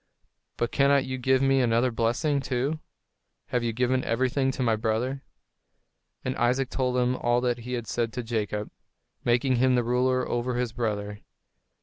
But cannot you give me another blessing, too? Have you given everything to my brother?" And Isaac told him all that he had said to Jacob, making him the ruler over his brother.